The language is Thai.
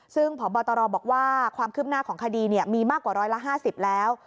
ซึ่งพบตรบอกว่าความคืบหน้าของคดีมีมากกว่าร้อยละ๕๐แล้ว